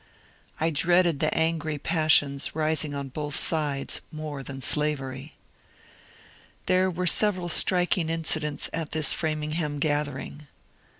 I dreaded the angry passions rising on both sides more than slavery. There were several striking incidents at this Framingham gathering.